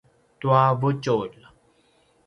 tua vutjulj